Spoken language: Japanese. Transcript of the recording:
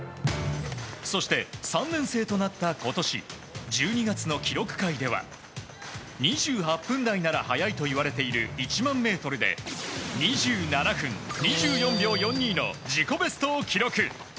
そして、３年生となった今年１２月の記録会では２８分台なら早いといわれている１００００ｍで２７分２４秒４２の自己ベストを記録。